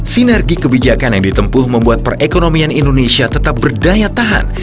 sinergi kebijakan yang ditempuh membuat perekonomian indonesia tetap berdaya tahan